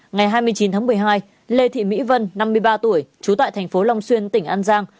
ngày hai mươi chín tháng một mươi hai lê thị mỹ vân năm mươi ba tuổi trú tại thành phố long xuyên tỉnh an giang